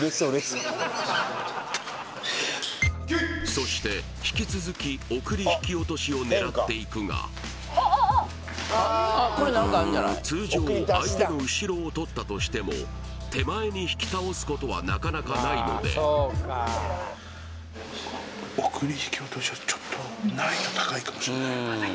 そして引き続き送り引き落としを狙っていくが通常相手の後ろをとったとしても手前に引き倒すことはなかなかないので難易度高い？